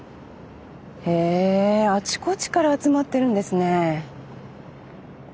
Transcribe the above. へえあちこちから集まってるんですね。